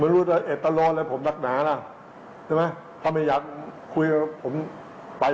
มีคนใจดีก็ตัดสินใจนั่งรถจากหมอชิตจะไปขอนแก่น